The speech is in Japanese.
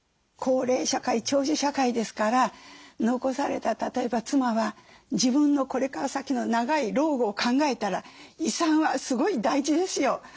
高齢社会長寿社会ですから残された例えば妻は自分のこれから先の長い老後を考えたら遺産はすごい大事ですよ。